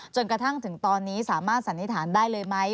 จนกระทั่งถึงตอนนี้สามารถสันนิษฐานได้เลยไหม